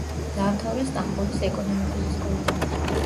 დაამთავრა სტამბოლის ეკონომიკური სკოლა.